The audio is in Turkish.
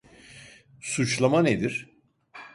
Suçlama nedir?